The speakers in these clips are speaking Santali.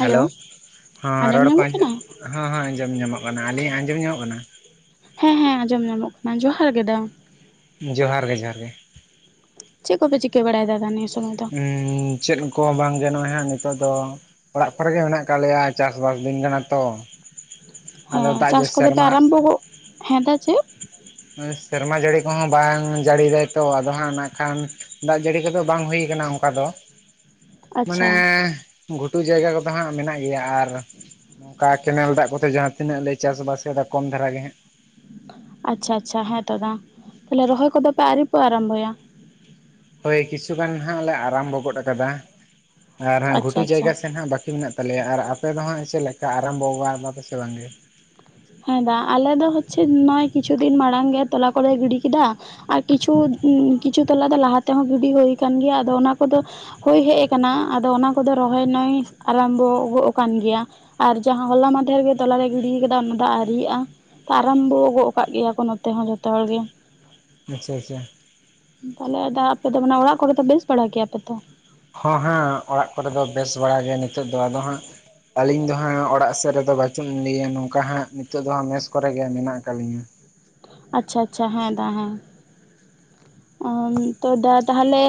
ᱦᱮᱞᱳ ᱦᱚᱸ ᱟᱸᱡᱚᱢ ᱨᱚᱲ ᱠᱚ ᱧᱟᱢᱚᱜ ᱟᱡᱚᱢ ᱠᱟᱱᱟ ᱦᱚᱸ-ᱦᱚᱸ ᱟᱸᱡᱚᱢ ᱧᱟᱢᱚᱜ ᱠᱟᱱᱟ ᱾ ᱟᱹᱞᱤᱧᱟ ᱟᱸᱡᱚᱢ ᱧᱟᱢᱚᱜ ᱠᱟᱱᱟ? ᱦᱮᱸ ᱦᱮᱸ ᱟᱸᱡᱚᱢ ᱧᱟᱢᱚᱜ ᱠᱟᱱᱟ ᱡᱚᱦᱟᱨ ᱜᱮ ᱫᱟ ᱡᱚᱦᱟᱨ ᱜᱮ ᱡᱚᱦᱟᱨ ᱜᱮ ᱾ ᱪᱮᱫ ᱠᱚᱯᱮ ᱪᱤᱠᱟᱹ ᱵᱟᱲᱟᱭ ᱫᱟ, ᱫᱟ ᱱᱤᱭᱟ ᱥᱚᱢᱚᱭ? ᱫᱚ ᱩᱝ ᱪᱮᱫ ᱠᱚ ᱵᱟᱝ ᱜᱟᱱᱚᱜᱼᱟ ᱦᱟᱸᱜ ᱱᱤᱛᱚᱜ ᱫᱚ ᱾ ᱚᱲᱟᱜ ᱠᱚᱨᱮ ᱜᱮ ᱢᱮᱱᱟᱜ ᱠᱟᱜ ᱞᱮᱭᱟ ᱪᱟᱥ ᱵᱟᱥ ᱫᱤᱱ ᱠᱟᱱᱟ ᱛᱚ ᱾ ᱦᱮᱸ ᱪᱟᱥ ᱠᱚᱫᱚ ᱯᱮ ᱟᱨᱟᱢᱵᱚ ᱜᱚᱜ ᱦᱮᱸ ᱫᱟ ᱪᱮᱜ? ᱥᱮᱨᱢᱟ ᱡᱟᱹᱲᱤ ᱠᱚᱦᱚᱸ ᱵᱟᱝ ᱡᱟᱹᱲᱤᱭ ᱫᱟᱭ ᱛᱚ, ᱟᱫᱚ ᱦᱟᱸᱜ ᱱᱟᱜ ᱠᱷᱟᱱ ᱫᱟᱜ ᱡᱟᱹᱲᱤ ᱠᱚᱫᱚ ᱵᱟᱝ ᱦᱩᱭ ᱠᱟᱱᱟ ᱚᱱᱠᱟ ᱫᱚ ᱟᱪᱪᱷᱟ ᱢᱟᱱᱮ ᱜᱷᱩᱴᱩ ᱡᱟᱭᱜᱟ ᱠᱚᱫᱚ ᱦᱟᱸᱜ ᱢᱮᱱᱟᱜ ᱜᱮᱭᱟ ᱟᱨ ᱱᱚᱝᱠᱟ ᱠᱮᱱᱮᱞ ᱫᱟᱜ ᱠᱚᱛᱮ ᱡᱟᱸᱦᱟᱸ ᱛᱤᱱᱟᱹᱜ ᱞᱮ ᱪᱟᱥᱵᱟᱥ ᱮᱫᱟ ᱠᱚᱢ ᱫᱷᱟᱨᱟ ᱜᱮ ᱦᱟᱸᱜ ᱾ ᱟᱪᱪᱷᱟ ᱟᱪᱪᱷᱟ ᱦᱮᱸ ᱛᱚ ᱫᱟ ᱛᱟᱦᱚᱞᱮ ᱨᱚᱦᱚᱭ ᱠᱚᱫᱚ ᱯᱮ ᱟᱹᱣᱨᱤ ᱯᱮ ᱟᱨᱟᱢᱵᱷᱚᱭᱟ ᱦᱳᱭ ᱠᱤᱪᱷᱩ ᱜᱟᱱ ᱦᱟᱸᱜ ᱞᱮ ᱟᱨᱟᱢᱵᱷᱚ ᱜᱚᱫ ᱟᱠᱟᱫᱟ ᱟᱨ ᱦᱟᱸᱜ ᱟᱪᱪᱷᱟ ᱜᱷᱩᱴᱩ ᱟᱪᱪᱷᱟ ᱡᱟᱭᱜᱟ ᱥᱮᱫ ᱦᱟᱸᱜ ᱵᱟᱠᱤ ᱢᱮᱱᱟᱜ ᱛᱟᱦᱚᱞᱮᱭᱟ ᱟᱨ ᱟᱯᱮᱫᱚ ᱦᱟᱸᱜ ᱪᱮᱫ ᱞᱮᱠᱟ ᱟᱨᱟᱢᱵᱷᱚ ᱟᱯᱮ ᱥᱮ ᱵᱟᱝ ᱜᱮ ᱦᱮᱸ ᱫᱟ ᱟᱞᱮ ᱫᱚ ᱦᱚᱪᱪᱷᱮ ᱱᱚᱜᱼᱚᱭ ᱠᱤᱪᱷᱩ ᱫᱤᱱ ᱢᱟᱲᱟᱝ ᱜᱮ ᱛᱚᱞᱟ ᱠᱚᱞᱮ ᱜᱤᱰᱤ ᱠᱮᱫᱟ ᱟᱨ ᱠᱤᱪᱷᱩ ᱠᱤᱪᱷᱩ ᱛᱚᱞᱟ ᱫᱚ ᱞᱟᱦᱟ ᱛᱮᱦᱚᱸ ᱜᱤᱰᱤ ᱦᱩᱭ ᱟᱠᱟᱱ ᱜᱮᱭᱟ ᱟᱫᱚ ᱚᱱᱟ ᱠᱚᱫᱚ ᱦᱩᱭ ᱦᱮᱡ ᱟᱠᱟᱱᱟ ᱟᱫᱚ ᱚᱱᱟ ᱠᱚᱫᱚ ᱨᱚᱦᱚᱭᱱᱟᱭ ᱟᱨᱟᱢᱵᱷᱚ ᱜᱚᱜ ᱟᱠᱟᱱ ᱜᱮᱭᱟ ᱟᱨ ᱡᱟᱦᱟᱸ ᱦᱚᱞᱟ ᱢᱟᱫᱷᱮᱨ ᱜᱮ ᱛᱚᱞᱟᱨᱮ ᱜᱤᱰᱤ ᱟᱠᱟᱫᱟ ᱚᱱᱟ ᱫᱟᱜ ᱟᱣᱨᱤᱜᱼᱟ ᱟᱨᱟᱢᱵᱷᱚ ᱜᱚᱜ ᱟᱠᱟᱫ ᱜᱮᱭᱟ ᱠᱚ ᱱᱚᱛᱮ ᱦᱚᱸ ᱡᱷᱚᱛᱚ ᱦᱚᱲ ᱜᱮ ᱟᱪᱪᱷᱟ ᱟᱪᱪᱷᱟ ᱛᱟᱦᱚᱞᱮ ᱫᱟ ᱟᱯᱮ ᱫᱚ ᱢᱟᱱᱮ ᱚᱲᱟᱜ ᱠᱚᱜᱚ ᱵᱮᱥ ᱵᱟᱲᱟ ᱜᱮᱭᱟᱯᱮ ᱛᱚ ᱦᱚᱸ ᱦᱮᱸ ᱚᱲᱟᱜ ᱠᱚᱨᱮ ᱫᱚ ᱵᱮᱥ ᱵᱟᱲᱟ ᱜᱮ ᱱᱤᱛᱚᱜ ᱫᱚ ᱟᱫᱚ ᱦᱟᱸᱜ ᱟᱹᱞᱤᱧ ᱫᱚ ᱦᱟᱸᱜ ᱚᱲᱟᱜ ᱥᱮᱫ ᱨᱮᱫᱚ ᱵᱟᱹᱪᱩᱜ ᱞᱤᱧ ᱞᱟᱹᱭᱟ ᱱᱚᱝᱠᱟ ᱦᱟᱸᱜ ᱱᱤᱛᱚᱜ ᱫᱚ ᱦᱟᱸᱜ ᱢᱮᱥ ᱠᱚᱨᱮ ᱜᱮ ᱢᱮᱱᱟᱜ ᱟᱠᱟᱫ ᱞᱤᱧᱟ ᱟᱪᱪᱷᱟ ᱟᱪᱪᱷᱟ ᱦᱮᱸ ᱫᱟ ᱦᱮᱸ ᱛᱚ ᱫᱟ ᱛᱟᱦᱚᱞᱮ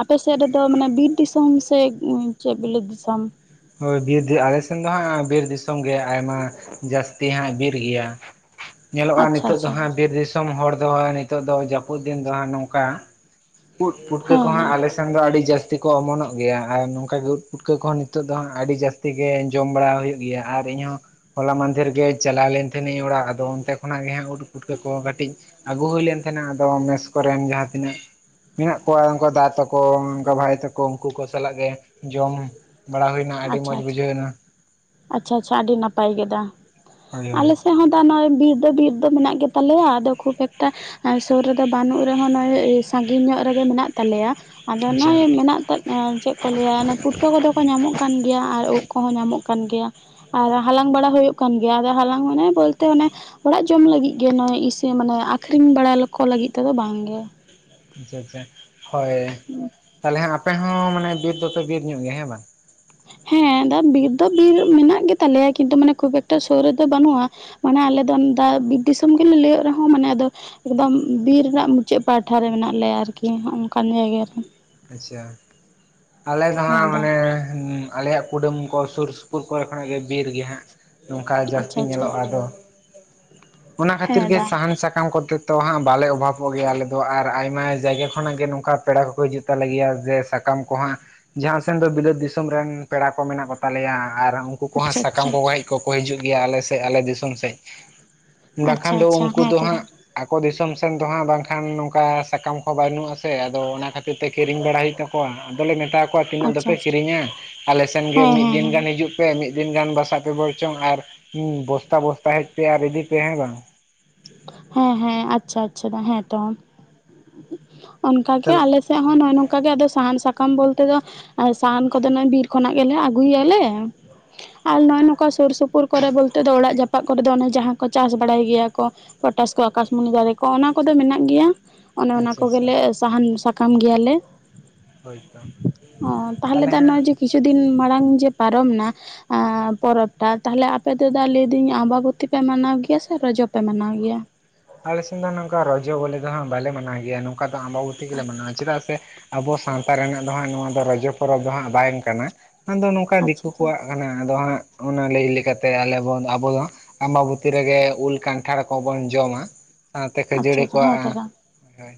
ᱟᱯᱮ ᱥᱮᱫ ᱨᱮᱫᱚ ᱢᱟᱱᱮ ᱵᱤᱨ ᱫᱤᱥᱚᱢ ᱥᱮ ᱪᱮᱫ ᱵᱤᱞᱟᱹᱛ ᱫᱤᱥᱚᱢ ᱦᱳᱭ ᱵᱤᱨ ᱟᱞᱮᱥᱮᱱ ᱫᱚ ᱦᱟᱸᱜ ᱵᱤᱨ ᱫᱤᱥᱚᱢ ᱜᱮ ᱟᱭᱢᱟ ᱡᱟᱹᱥᱛᱤ ᱦᱟᱸᱜ ᱵᱤᱨ ᱜᱮᱭᱟ ᱧᱮᱞᱚᱜᱼᱟ ᱟᱪᱪᱷᱟ ᱱᱤᱛᱚᱜ ᱫᱚ ᱟᱪᱪᱷᱟ ᱦᱮᱸ ᱦᱟᱸᱜ ᱵᱤᱨ ᱫᱤᱥᱚᱢ ᱦᱚᱲ ᱫᱚ ᱦᱟᱸᱜ ᱱᱤᱛᱚᱜ ᱫᱚ ᱡᱟᱹᱯᱩᱫ ᱫᱤᱱ ᱫᱚ ᱦᱟᱸᱜ ᱱᱚᱝᱠᱟ ᱩᱫ ᱯᱩᱴᱠᱟᱹ ᱠᱚᱦᱚᱸ ᱦᱮᱸ ᱟᱞᱮᱥᱮᱱ ᱫᱚ ᱟᱹᱰᱤ ᱡᱟᱹᱥᱛᱤ ᱠᱚ ᱚᱢᱚᱱᱚᱜ ᱜᱮᱭᱟ ᱟᱨ ᱱᱚᱝᱠᱟ ᱜᱮ ᱩᱫ ᱯᱩᱴᱠᱟᱹ ᱠᱚᱦᱚᱸ ᱱᱤᱛᱚᱜ ᱱᱤᱛᱚᱜ ᱫᱚᱜ ᱟᱹᱰᱤ ᱡᱟᱹᱥᱛᱤ ᱜᱮ ᱡᱚᱢ ᱵᱟᱲᱟ ᱦᱩᱭᱩᱜ ᱜᱮᱭᱟ ᱟᱨ ᱤᱧᱦᱚᱸ ᱦᱚᱞᱟ ᱢᱟᱫᱷᱮᱨ ᱜᱮ ᱪᱟᱞᱟᱣ ᱞᱮᱱ ᱛᱟᱦᱮᱱᱤᱧ ᱚᱲᱟᱜ ᱟᱫᱚ ᱚᱱᱛᱮ ᱠᱷᱚᱱᱟᱜ ᱜᱮ ᱦᱟᱸᱜ ᱩᱫ ᱯᱩᱴᱠᱟᱹ ᱠᱚ ᱠᱟᱹᱴᱤᱡ ᱟᱹᱜᱩ ᱦᱩᱭ ᱞᱮᱱ ᱛᱟᱦᱮᱱᱟ ᱟᱫᱚ ᱢᱮᱥ ᱠᱚᱨᱮᱱ ᱡᱟᱦᱟᱸ ᱛᱤᱱᱟᱹᱜ ᱢᱮᱱᱟᱜ ᱠᱚᱣᱟ ᱩᱱᱠᱩ ᱫᱟ ᱛᱟᱠᱚ ᱚᱱᱠᱟ ᱵᱷᱟᱭ ᱛᱟᱠᱚ ᱩᱱᱠᱩ ᱠᱚ ᱥᱟᱞᱟᱜ ᱜᱮ ᱡᱚᱢ ᱵᱟᱲᱟ ᱦᱩᱭᱱᱟ ᱟᱹᱰᱤ ᱟᱪᱪᱷᱟ ᱢᱚᱸᱡᱽ ᱟᱪᱪᱷᱟ ᱵᱩᱡᱷᱟᱹᱣ ᱮᱱᱟ ᱟᱪᱪᱷᱟ ᱟᱪᱪᱷᱟ ᱟᱹᱰᱤ ᱱᱟᱯᱟᱭ ᱜᱮᱫᱟ ᱦᱳᱭ ᱦᱳᱭ ᱟᱞᱮᱥᱮᱱ ᱵᱤᱨ ᱫᱟ ᱵᱤᱨ ᱫᱚ ᱢᱮᱱᱟᱜ ᱜᱮᱛᱟᱞᱮᱭᱟ ᱟᱫᱚ ᱠᱷᱩᱵ ᱮᱠᱴᱟ ᱥᱩᱨ ᱨᱮᱫᱚ ᱵᱟᱹᱱᱩᱜ ᱨᱮᱦᱚᱸ ᱱᱚᱜᱚᱭ ᱥᱟᱺᱜᱤᱧ ᱧᱚᱜ ᱨᱮᱜᱮ ᱢᱮᱱᱟᱜ ᱛᱟᱞᱮᱭᱟ ᱟᱫᱚ ᱟᱪᱪᱷᱟ ᱱᱚᱜᱼᱚᱭ ᱢᱮᱱᱟᱜ ᱪᱮᱫ ᱠᱚ ᱞᱟᱹᱭᱟ ᱯᱩᱴᱠᱟᱹ ᱠᱚᱫᱚ ᱠᱚ ᱧᱟᱢᱚᱜ ᱠᱟᱱ ᱜᱮᱭᱟ ᱟᱨ ᱩᱫᱽ ᱠᱚᱦᱚᱸ ᱧᱟᱢᱚᱜ ᱠᱟᱱᱟ ᱠᱟᱱ ᱜᱮᱭᱟ ᱟᱨ ᱦᱟᱞᱟᱝ ᱵᱟᱲᱟ ᱦᱩᱭᱩᱜ ᱠᱟᱱ ᱜᱮᱭᱟ ᱦᱟᱞᱟᱝ ᱢᱟᱱᱮ ᱵᱚᱞᱛᱮᱚᱱᱮ ᱚᱲᱟᱜ ᱡᱚᱢ ᱞᱟᱹᱜᱤᱫ ᱜᱮ ᱱᱚᱜᱼᱚᱭ ᱤᱥᱤᱱ ᱢᱟᱱᱮ ᱟᱠᱷᱨᱤᱧ ᱵᱟᱲᱟᱠᱚ ᱞᱟᱹᱜᱤᱫ ᱛᱮᱫᱚ ᱵᱟᱝᱜᱮ ᱟᱪᱪᱷᱟ ᱟᱪᱪᱷᱟ ᱦᱳᱭ ᱛᱟᱦᱞᱮ ᱦᱟᱜ ᱟᱯᱮ ᱦᱚᱸ ᱢᱟᱱᱮ ᱵᱤᱨ ᱫᱚᱯᱮ ᱵᱤᱨ ᱧᱚᱜ ᱜᱮᱭᱟ ᱦᱮᱸ ᱵᱟᱝ ᱦᱮᱸ ᱵᱤᱨ ᱫᱚ ᱵᱤᱨ ᱢᱮᱱᱟᱜ ᱜᱮᱛᱟᱞᱮᱭᱟ ᱠᱤᱱᱛᱩ ᱢᱟᱱᱮ ᱠᱷᱩᱵ ᱮᱠᱴᱟ ᱥᱩᱨ ᱨᱮᱫᱚ ᱵᱟᱹᱱᱩᱜᱼᱟ ᱢᱟᱱᱮ ᱟᱞᱮ ᱫᱚ ᱫᱟ ᱵᱤᱨ ᱫᱤᱥᱚᱢ ᱜᱮᱞᱮ ᱞᱟᱹᱭᱟᱹᱜ ᱨᱮᱦᱚᱸ ᱢᱟᱱᱮ ᱟᱫᱚ ᱮᱠᱫᱚᱢ ᱵᱤᱨ ᱨᱮᱱᱟᱜ ᱢᱩᱪᱟᱹᱫ ᱯᱟᱦᱴᱟ ᱨᱮ ᱢᱮᱱᱟᱜ ᱞᱮᱭᱟ ᱟᱨᱠᱤ ᱚᱱᱠᱟᱱ ᱡᱟᱭᱜᱟ ᱨᱮ ᱟᱪᱪᱷᱟ ᱟᱞᱮ ᱫᱚ ᱦᱮᱸ ᱦᱟᱸᱜ ᱫᱟ ᱢᱟᱱᱮ ᱟᱞᱮᱭᱟᱜ ᱠᱩᱰᱟᱹᱢ ᱠᱚ ᱥᱩᱨ ᱥᱩᱯᱩᱨ ᱠᱚᱨᱮ ᱠᱷᱚᱱᱟᱜ ᱜᱮ ᱵᱤᱨᱜᱮ ᱦᱟᱸᱜ ᱱᱚᱝᱠᱟ ᱡᱟᱹᱥᱛᱤ ᱟᱪᱪᱷᱟ ᱟᱪᱪᱷᱟ ᱧᱮᱞᱚᱜᱼᱟ ᱟᱫᱚ ᱚᱱᱟ ᱠᱷᱟᱹᱛᱤᱨ ᱦᱮᱸ ᱜᱮ ᱫᱟ ᱥᱟᱦᱟᱱ ᱥᱟᱠᱟᱢ ᱠᱚᱛᱮ ᱱᱤᱛᱚᱜ ᱦᱟᱸᱜ ᱵᱟᱞᱮ ᱚᱵᱷᱟᱵᱚᱜ ᱜᱮᱭᱟ ᱟᱞᱮᱫᱚ ᱟᱨ ᱟᱭᱢᱟ ᱡᱟᱭᱜᱟ ᱠᱷᱚᱱᱟᱜ ᱜᱮ ᱱᱚᱝᱠᱟ ᱯᱮᱲᱟ ᱠᱚᱠᱚ ᱦᱤᱡᱩᱜ ᱠᱟᱱᱟ [unintelligible] ᱡᱮ ᱥᱟᱠᱟᱢ ᱠᱚᱦᱚᱸ ᱡᱟᱦᱟᱸ ᱥᱮᱱ ᱫᱚ ᱵᱤᱞᱟᱹᱛ ᱫᱤᱥᱚᱢ ᱨᱮᱱ ᱯᱮᱲᱟ ᱠᱚ ᱢᱮᱱᱟᱜ ᱠᱚᱛᱟᱞᱮᱭᱟ ᱟᱨ ᱩᱱᱠᱩ ᱠᱚᱦᱚᱸ ᱟᱪᱪᱷᱟ ᱟᱪᱪᱷᱟ ᱥᱟᱠᱟᱢ ᱠᱚ ᱦᱮᱡ ᱠᱚᱠᱚ ᱦᱤᱡᱩᱜ ᱜᱮᱭᱟ ᱟᱞᱮ ᱥᱮᱫ ᱟᱞᱮ ᱫᱤᱥᱚᱢ ᱥᱮᱫ ᱟᱪᱪᱷᱟ ᱵᱟᱠᱷᱟᱱ ᱫᱚ ᱟᱪᱪᱷᱟ ᱩᱱᱠᱩ ᱦᱮᱸ ᱫᱚ ᱛᱚ ᱫᱟ ᱦᱟᱸᱜ ᱟᱠᱚ ᱫᱤᱥᱚᱢ ᱥᱮᱱ ᱫᱚ ᱦᱟᱸᱜ ᱵᱟᱝᱠᱷᱟᱱ ᱱᱚᱝᱠᱟ ᱥᱟᱠᱟᱢ ᱠᱚ ᱵᱟᱹᱱᱩᱜᱼᱟᱥᱮ ᱟᱫᱚ ᱚᱱᱟ ᱠᱷᱟᱹᱛᱤᱨ ᱛᱮ ᱠᱤᱨᱤᱧ ᱵᱟᱲᱟ ᱦᱩᱭᱩᱜ ᱛᱟᱠᱚᱣᱟ ᱟᱫᱚᱮ ᱢᱮᱛᱟᱣᱟ ᱠᱚᱣᱟ ᱛᱤᱱᱟᱹᱜ ᱟᱪᱪᱷᱟ ᱫᱚᱯᱮ ᱟᱪᱪᱷᱟ ᱠᱤᱨᱤᱧᱟ ᱟᱞᱮᱥᱮᱱ ᱜᱮ ᱦᱮᱸ ᱢᱤᱫ ᱦᱮᱸ ᱫᱤᱱ ᱦᱮᱸ ᱜᱟᱱ ᱦᱤᱡᱩᱜ ᱯᱮ ᱢᱤᱫ ᱫᱤᱱ ᱜᱟᱱ ᱵᱟᱥᱟᱜ ᱯᱮ ᱵᱚᱞᱪᱚᱝ ᱟᱨ ᱵᱚᱥᱛᱟ ᱵᱚᱥᱛᱟ ᱦᱮᱡ ᱯᱮ ᱟᱨ ᱤᱫᱤ ᱯᱮ ᱦᱮᱸ ᱵᱟᱝ ᱦᱮᱸ ᱦᱮᱸ ᱟᱪᱪᱷᱟ ᱟᱪᱪᱷᱟ ᱦᱮᱸ ᱛᱚ ᱚᱱᱠᱟᱜ ᱜᱮ ᱛᱟᱦᱞᱮ ᱟᱞᱮ ᱥᱮᱫ ᱦᱚᱸ ᱱᱚᱜᱼᱚᱭ ᱱᱚᱝᱠᱟ ᱜᱮᱫᱚ ᱥᱟᱦᱟᱱ ᱥᱟᱠᱟᱢ ᱵᱚᱞᱛᱮ ᱫᱚ ᱟᱨ ᱥᱟᱦᱟᱱ ᱠᱚᱫᱚ ᱵᱤᱨ ᱠᱷᱚᱱᱟᱜ ᱜᱮᱞᱮ ᱟᱹᱜᱩᱭ ᱟᱞᱮ ᱟᱨ ᱱᱚᱜᱼᱚᱭ ᱱᱚᱝᱠᱟ ᱥᱩᱨ ᱥᱩᱯᱩᱨ ᱠᱚᱨᱮ ᱵᱚᱞᱛᱮ ᱫᱚ ᱚᱲᱟᱜ ᱡᱟᱯᱟᱜ ᱠᱚᱨᱮ ᱫᱚ ᱚᱱᱮ ᱡᱟᱦᱟᱸ ᱠᱚ ᱪᱟᱥ ᱵᱟᱲᱟᱭ ᱜᱮᱭᱟ ᱠᱚ ᱯᱚᱴᱟᱥ ᱠᱚ ᱟᱠᱟᱥᱢᱩᱱᱤ ᱫᱟᱨᱮ ᱠᱚ ᱚᱱᱟ ᱠᱚᱫᱚ ᱢᱮᱱᱟᱜ ᱜᱮᱭᱟ ᱚᱱᱮ ᱚᱱᱟ ᱟᱪᱪᱷᱟ ᱟᱪᱪᱷᱟ ᱠᱚᱜᱮᱞᱮ ᱥᱟᱦᱟᱱ ᱥᱟᱠᱟᱢ ᱜᱮᱭᱟᱞᱮ ᱦᱳᱭᱛᱚ ᱛᱟᱦᱚᱞᱮ ᱫᱟ ᱠᱤᱪᱷᱩ ᱫᱤᱱ ᱢᱟᱲᱟᱝ ᱡᱮ ᱯᱟᱨᱚᱢ ᱮᱱᱟ ᱯᱚᱨᱚᱵᱽᱴᱟᱜ ᱛᱟᱦᱞᱮ ᱟᱯᱮ ᱫᱚ ᱫᱟ ᱞᱟᱹᱭᱫᱟᱹᱧ ᱟᱢᱵᱟᱵᱚᱛᱤ ᱯᱮ ᱢᱟᱱᱟᱣ ᱜᱮᱭᱟ ᱥᱮ ᱨᱚᱡᱚ ᱯᱮ ᱢᱟᱱᱟᱣ ᱜᱮᱭᱟ ᱟᱞᱮ ᱥᱮᱱ ᱫᱚ ᱱᱚᱝᱠᱟ ᱨᱚᱡᱚ ᱵᱚᱞᱞᱤ ᱫᱚ ᱵᱟᱞᱮ ᱢᱟᱱᱟᱣ ᱜᱮᱭᱟ ᱱᱚᱝᱠᱟ ᱫᱚ ᱟᱢᱵᱟᱵᱩᱛᱤ ᱜᱮᱞᱮ ᱢᱟᱱᱟᱣᱟ ᱪᱮᱫᱟᱜ ᱥᱮ ᱟᱵᱚ ᱥᱟᱶᱛᱟ ᱨᱮᱱᱟᱜ ᱫᱚ ᱦᱟᱸᱜ ᱱᱚᱣᱟ ᱫᱚ ᱨᱚᱡᱚ ᱯᱚᱨᱚᱵᱽ ᱫᱚ ᱦᱟᱸᱜ ᱵᱟᱝ ᱠᱟᱱᱟ ᱟᱫᱚ ᱱᱚᱝᱠᱟ ᱟᱪᱪᱷᱟ ᱫᱤᱠᱩ ᱟᱪᱪᱷᱟ ᱠᱚᱣᱟᱜ ᱠᱟᱱᱟ ᱟᱫᱚ ᱦᱟᱸᱜ ᱚᱱᱟ ᱞᱟᱹᱭ ᱞᱮᱠᱟᱛᱮ ᱟᱞᱮ ᱵᱚᱱ ᱟᱵᱚ ᱫᱚ ᱟᱢᱵᱟᱵᱛᱤ ᱨᱮᱜᱮ ᱩᱞ ᱠᱟᱱᱴᱷᱟᱲ ᱠᱚᱵᱚᱱ ᱡᱚᱢᱟ ᱥᱟᱶᱛᱮ ᱟᱪᱪᱷᱟ ᱠᱷᱟᱹᱡᱟᱹᱲᱤ ᱟᱪᱪᱷᱟ ᱦᱮᱸ ᱠᱚᱣᱟᱜᱼᱟ ᱛᱚ ᱫᱟ ᱦᱳᱭ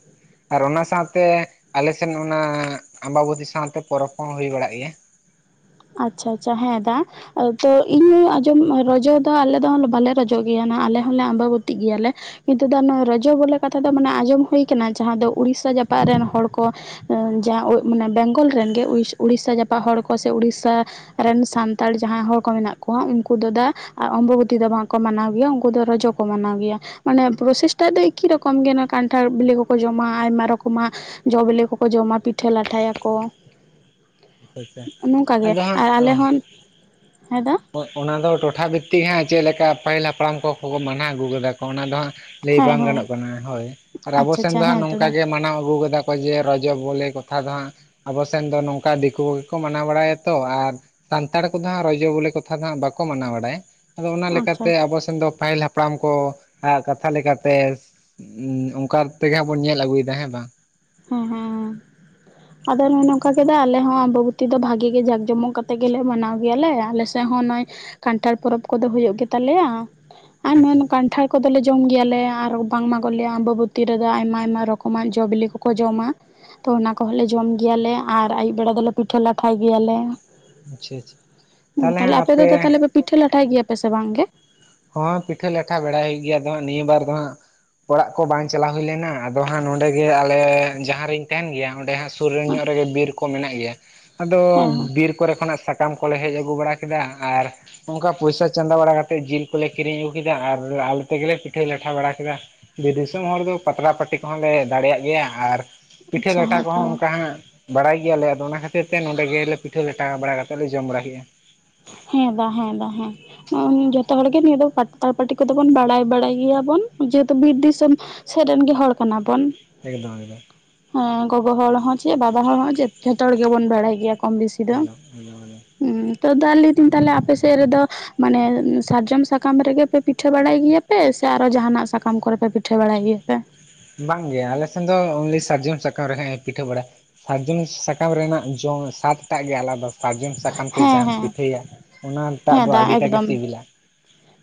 ᱟᱨ ᱚᱱᱟ ᱥᱟᱶᱛᱮ ᱟᱞᱮᱥᱮᱱ ᱚᱱᱟ ᱟᱢᱵᱟᱵᱚᱛᱤ ᱥᱟᱶᱛᱮ ᱯᱚᱨᱚᱵᱽ ᱦᱚᱸ ᱦᱩᱭ ᱵᱟᱲᱟᱜ ᱜᱮᱭᱟ ᱟᱪᱪᱷᱟ ᱟᱪᱪᱷᱟ ᱦᱮᱸ ᱫᱟ ᱛᱚ ᱤᱧ ᱟᱸᱡᱚᱢ ᱨᱚᱡᱚ ᱫᱚ ᱟᱞᱮ ᱫᱚ ᱵᱟᱞᱮ ᱨᱚᱡᱚᱜ ᱜᱮᱭᱟ ᱟᱞᱮ ᱦᱚᱸᱞᱮ ᱟᱢᱵᱟᱵᱚᱛᱤᱜ ᱜᱮᱭᱟᱞᱮ ᱠᱤᱱᱛᱩ ᱨᱚᱡᱚ ᱵᱚᱞᱮ ᱠᱟᱛᱷᱟ ᱫᱚ ᱢᱟᱱᱮ ᱟᱸᱡᱚᱢ ᱦᱩᱭ ᱠᱟᱱᱟ ᱡᱟᱦᱟᱸ ᱫᱚ ᱩᱲᱤᱥᱟ ᱡᱟᱯᱟᱜ ᱨᱮᱱ ᱦᱚᱲ ᱠᱚ ᱡᱟᱦᱟᱸ ᱢᱟᱱᱮ ᱵᱮᱝᱜᱚᱞ ᱨᱮᱱᱜᱮ ᱩᱲᱤᱥᱟ ᱡᱟᱯᱟᱜ ᱦᱚᱲ ᱠᱚ ᱥᱮ ᱩᱲᱤᱥᱟ ᱨᱮᱱ ᱥᱟᱱᱛᱟᱲ ᱡᱟᱦᱟᱸᱭ ᱦᱚᱲ ᱠᱚ ᱢᱮᱱᱟᱜ ᱠᱚᱣᱟ ᱩᱱᱠᱩ ᱫᱚ ᱫᱟ ᱟᱨ ᱚᱢᱵᱚᱵᱚᱛᱤ ᱫᱚ ᱵᱟᱝᱠᱚ ᱢᱟᱱᱟᱣ ᱜᱮᱭᱟ ᱩᱱᱠᱩ ᱫᱚ ᱨᱚᱡᱚ ᱠᱚ ᱢᱟᱱᱟᱣ ᱜᱮᱭᱟ ᱢᱟᱱᱮ ᱯᱨᱚᱥᱮᱥᱴᱟᱜ ᱫᱚ ᱮᱠᱤ ᱨᱚᱠᱚᱢ ᱜᱮ ᱠᱟᱱᱴᱷᱟᱲ ᱵᱤᱞᱤ ᱠᱚᱠᱚ ᱡᱚᱢᱟ ᱟᱭᱢᱟ ᱨᱚᱠᱚᱢᱟᱜ ᱡᱚ ᱵᱤᱞᱤ ᱠᱚᱠᱚ ᱡᱚᱢᱟ ᱯᱤᱴᱷᱟᱹ ᱞᱟᱴᱷᱟᱭᱟᱠᱚ ᱯᱚᱭᱥᱟᱹ ᱱᱚᱝᱠᱟ ᱜᱮ ᱟᱨ ᱟᱞᱮ ᱦᱚᱸ ᱦᱮᱸ ᱫᱟ ᱚᱱᱟ ᱫᱚ ᱴᱚᱴᱷᱟ ᱵᱷᱤᱛᱤᱠ ᱦᱟᱸᱜ ᱪᱮᱫ ᱞᱮᱠᱟ ᱯᱟᱹᱦᱤᱞ ᱦᱟᱯᱲᱟᱢ ᱠᱚᱠᱚ ᱢᱟᱱᱟᱣ ᱟᱹᱜᱩ ᱠᱟᱫᱟ ᱠᱚ ᱚᱱᱟ ᱫᱚ ᱦᱟᱸᱜ ᱞᱟᱹᱭ ᱦᱮᱸ ᱵᱟᱝ ᱦᱮᱸ ᱜᱟᱱᱚᱜ ᱠᱟᱱᱟ ᱦᱳᱭ ᱟᱨ ᱟᱵᱚ ᱟᱪᱪᱷᱟ ᱥᱮᱱ ᱟᱪᱪᱷᱟ ᱫᱚ ᱦᱟᱸᱜ ᱦᱮᱸ ᱛᱚ ᱱᱚᱝᱠᱟ ᱫᱟ ᱜᱮ ᱢᱟᱱᱟᱣ ᱟᱹᱜᱩ ᱠᱟᱫᱟ ᱚᱡᱮ ᱨᱚᱡᱚ ᱵᱚᱞᱮ ᱠᱚᱛᱷᱟ ᱫᱚ ᱦᱟᱸᱜ ᱟᱵᱚ ᱥᱮᱱ ᱫᱚ ᱱᱚᱝᱠᱟ ᱫᱤᱠᱩ ᱠᱚᱜᱮ ᱠᱚ ᱢᱟᱱᱟᱣ ᱵᱟᱲᱟᱭᱟᱛᱚ ᱟᱨ ᱥᱟᱱᱛᱟᱲ ᱠᱚᱫᱚ ᱦᱟᱸᱜ ᱨᱚᱡᱚ ᱵᱚᱞᱮ ᱠᱚ ᱠᱟᱛᱷᱟ ᱫᱚ ᱦᱟᱸᱜ ᱵᱟᱠᱚ ᱢᱟᱱᱟᱣ ᱵᱟᱲᱟᱭᱟ ᱟᱫᱚ ᱚᱱᱟ ᱟᱪᱪᱷᱟ ᱞᱮᱠᱟᱛᱮ ᱟᱪᱪᱷᱟ ᱟᱵᱚ ᱥᱮᱱ ᱫᱚ ᱯᱟᱦᱤᱞ ᱦᱟᱯ ᱦᱟᱯᱲᱟᱢ ᱠᱚ ᱟᱜ ᱠᱟᱛᱷᱟ ᱞᱮᱠᱟᱛᱮ ᱚᱱᱠᱟ ᱛᱮᱜᱮ ᱦᱟᱸᱜ ᱵᱚᱱ ᱧᱮᱞ ᱟᱹᱜᱩᱭᱮᱫᱟ ᱦᱮᱸ ᱵᱟᱝ ᱦᱮ ᱦᱮ ᱦᱮ ᱟᱫᱚ ᱱᱚᱜ ᱱᱚᱝᱠᱟ ᱠᱮᱫᱟ ᱟᱞᱮ ᱦᱚ ᱟᱢᱵᱚᱵᱚᱛᱤ ᱫᱚ ᱵᱷᱟᱜᱤ ᱜᱮ ᱡᱟᱠ ᱡᱚᱢᱚᱠ ᱠᱟᱛᱮ ᱜᱮᱞᱮ ᱢᱟᱱᱟᱣ ᱜᱮᱭᱟᱞᱮ ᱟᱞᱮ ᱱᱚᱜᱚᱭ ᱠᱟᱱᱴᱷᱟᱲ ᱯᱚᱨᱚᱵᱽ ᱠᱚᱫᱚ ᱦᱩᱭᱩᱜ ᱜᱮᱛᱟᱞᱮᱭᱟ ᱟᱨ ᱟᱪᱪᱷᱟ ᱟᱪᱪᱷᱟ ᱠᱟᱱᱴᱷᱟᱲ ᱠᱚᱫᱚ ᱞᱮ ᱡᱚᱢ ᱜᱮᱭᱟᱞᱮ ᱟᱨ ᱵᱟᱝᱢᱟᱟᱜ ᱞᱮᱭᱟ ᱟᱢᱵᱚᱚᱵᱩᱛᱤ ᱨᱮᱫᱚ ᱟᱭᱢᱟ ᱨᱚᱠᱚᱢ ᱡᱚ ᱵᱤᱞᱤ ᱠᱚ ᱠᱚ ᱡᱚᱢᱟ ᱛᱚ ᱚᱱᱟ ᱠᱚᱦᱚᱸ ᱞᱮ ᱡᱚᱢ ᱜᱮᱭᱟᱞᱮ ᱟᱨ ᱟᱹᱭᱩᱵ ᱵᱮᱲᱟ ᱫᱚᱞᱮ ᱯᱤᱴᱷᱟᱹ ᱞᱟᱴᱷᱟᱭ ᱜᱮᱭᱟᱞᱮ ᱟᱪᱪᱷᱟ ᱟᱪᱪᱷᱟ ᱛᱟᱦᱚᱞᱮ ᱛᱟᱞᱦᱮ ᱦᱟᱸᱜ ᱟᱯᱮ ᱫᱚ ᱛᱟᱞᱦᱮ ᱯᱤᱴᱷᱟᱹ ᱞᱟᱴᱷᱟᱭ ᱜᱮᱭᱟ ᱯᱮ ᱥᱮ ᱵᱟᱝ ᱜᱮ ᱦᱳᱣᱟ ᱯᱤᱴᱷᱟᱹ ᱞᱟᱴᱷᱟ ᱵᱟᱲᱟᱭ ᱜᱮᱭᱟ ᱫᱚ ᱦᱟᱸᱜ ᱱᱤᱭᱟᱹ ᱵᱟᱨ ᱫᱚ ᱦᱟᱸᱜ ᱚᱲᱟᱜ ᱠᱚ ᱵᱟᱝ ᱪᱟᱞᱟᱣ ᱦᱩᱭ ᱞᱮᱱᱟ ᱟᱫᱚ ᱦᱟᱸᱜ ᱱᱚᱸᱰᱮ ᱜᱮ ᱟᱞᱮ ᱡᱟᱦᱟᱸ ᱨᱤᱧ ᱛᱟᱦᱮᱱ ᱜᱮᱭᱟ ᱚᱸᱰᱮ ᱦᱟᱸᱜ ᱥᱩᱨ ᱧᱚᱜ ᱨᱮᱜᱮ ᱵᱤᱨ ᱠᱚ ᱢᱮᱱᱟᱜ ᱜᱮᱭᱟ ᱟᱫᱚ ᱦᱮᱸ ᱵᱤᱨ ᱠᱚᱨᱮ ᱠᱷᱚᱱᱟᱜ ᱥᱟ ᱥᱟᱠᱟᱢ ᱠᱚᱞᱮ ᱦᱮᱡ ᱟᱹᱜᱩ ᱵᱟᱲᱟ ᱠᱮᱫᱟ ᱟᱨ ᱚᱱᱠᱟ ᱯᱚᱭᱥᱟ ᱪᱟᱸᱫᱟ ᱵᱟᱲᱟ ᱠᱟᱛᱮᱫ ᱡᱤᱞ ᱠᱚᱞᱮ ᱠᱤᱨᱤᱧ ᱟᱹᱜᱩ ᱠᱮᱫᱟ ᱟᱨ ᱟᱞᱮ ᱛᱮᱜᱮᱞᱮ ᱯᱤᱴᱷᱟᱹ ᱞᱟᱴᱷᱟ ᱵᱟᱲᱟ ᱠᱮᱫᱟ ᱵᱤᱨ ᱫᱤᱥᱚᱢ ᱦᱚᱲ ᱫᱚ ᱯᱟᱛᱲᱟ ᱯᱟᱹᱴᱤ ᱠᱚᱦᱚᱸᱞᱮ ᱫᱟᱲᱮᱭᱟᱜ ᱜᱮᱭᱟ ᱟᱨ ᱯᱤᱴᱷᱟᱹ ᱟᱪᱪᱷᱟ ᱞᱟᱴᱷᱟ ᱦᱮᱸ ᱠᱚᱦᱚᱸ ᱛᱚ ᱚᱱᱠᱟ ᱦᱟᱸᱜ ᱵᱟᱲᱟᱭ ᱜᱮᱭᱟᱞᱮ ᱟᱫᱚ ᱚᱱᱟ ᱠᱷᱟᱹᱛᱤᱨ ᱛᱮ ᱱᱚᱸᱰᱮ ᱜᱮᱞᱮ ᱯᱤᱴᱷᱟᱹ ᱞᱟᱴᱷᱟ ᱴᱟ ᱵᱟᱲᱟ ᱠᱟᱛᱮᱫ ᱞᱮ ᱡᱚᱢ ᱵᱟᱲᱟ ᱠᱮᱜᱼᱟ ᱦᱮᱸ ᱫᱟ ᱦᱮᱸ ᱫᱟ ᱦᱮᱸ ᱡᱚᱛᱚ ᱦᱚᱲᱜ ᱜᱮ ᱱᱤᱭᱟᱹ ᱫᱚ ᱯᱟᱛᱛᱟ ᱯᱟᱴᱤ ᱠᱚᱫᱚ ᱵᱚᱱ ᱵᱟᱲᱟᱭ ᱵᱟᱲᱟᱭ ᱜᱮᱭᱟ ᱵᱚᱱ ᱡᱮᱦᱮᱛᱩ ᱵᱤᱨ ᱫᱤᱥᱚᱢ ᱥᱮᱫ ᱨᱮᱱ ᱜᱮ ᱦᱚᱲ ᱠᱟᱱᱟ ᱵᱚᱱ ᱮᱠᱫᱚᱢ ᱮᱠᱫᱚᱢ ᱦᱮᱸ ᱜᱚᱜᱚ ᱦᱚᱲ ᱦᱚ ᱪᱮᱫ ᱵᱟᱵᱟ ᱦᱚᱲ ᱦᱚ ᱪᱮᱫ ᱡᱷᱚᱛᱚ ᱦᱚᱲ ᱜᱮᱵᱚᱱ ᱵᱟᱲᱟᱭ ᱜᱮᱭᱟ ᱠᱚᱢ ᱵᱤᱥᱤ [unintelligible] ᱦᱮ ᱛᱚ ᱫᱟ ᱞᱟ. ᱭ ᱫᱟ. ᱧ ᱛᱟᱦᱚᱞᱮ ᱟᱯᱮ ᱥᱮᱫ ᱨᱮᱫᱚ ᱢᱟᱱᱮ ᱥᱟᱨᱡᱚᱢ ᱥᱟᱠᱟᱢ ᱨᱮᱜᱮ ᱯᱮ ᱯᱤᱴᱷᱟᱹ ᱵᱟᱲᱟᱭ ᱜᱮᱭᱟᱯᱮ ᱥᱮ ᱟᱨᱚ ᱡᱟᱦᱟᱱᱟᱜ ᱥᱟᱠᱟᱢ ᱠᱚᱨᱮ ᱯᱮ ᱯᱤᱴᱷᱟᱹ ᱵᱟᱲᱟᱭ ᱜᱮᱭᱟᱯᱮ ᱵᱟᱝᱜᱮ ᱟᱞᱮ ᱥᱮᱱ ᱫᱚ ᱚᱱᱞᱤ ᱥᱟᱨᱡᱚᱢ ᱥᱟᱠᱟᱢ ᱨᱮᱦᱟᱸᱜ ᱮ ᱯᱤᱴᱷᱟᱹ ᱵᱟᱲᱟ ᱥᱟᱨᱡᱚᱢᱤ ᱥᱟᱠᱟᱢ ᱨᱮᱱᱟᱜ ᱡᱚᱢ ᱥᱟᱛᱴᱟᱜ ᱜᱮ ᱟᱞᱟᱫᱟ ᱥᱟᱨᱡᱚᱢ ᱥᱟᱠᱟᱢ ᱛᱮ ᱦᱮᱸ ᱡᱟᱦᱟᱢ ᱦᱮᱸ ᱯᱤᱴᱷᱟᱹᱭᱟ ᱚᱱᱟ ᱴᱟᱜ ᱦᱮᱸ ᱫᱚ ᱫᱟ ᱟᱹᱰᱤᱴᱟᱜ ᱜᱮ ᱮᱠᱫᱚᱢ ᱥᱤᱵᱤᱞᱟ